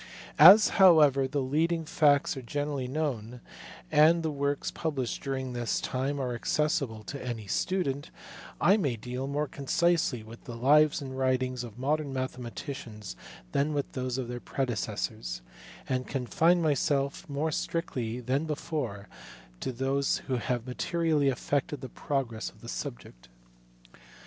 As however the leading facts are generally known, and the works published during this time are accessible to any student, I may deal more concisely with the lives and writings of modern mathematicians than with those of their predecessors, and confine myself more strictly than before to those who have materially affected the progress of the subject.